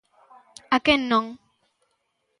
A quen non.